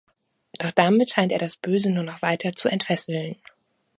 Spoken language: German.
Doch damit scheint er das Böse nur noch weiter zu entfesseln.